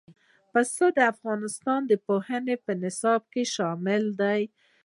پسه د افغانستان د پوهنې په نصاب کې شامل دی.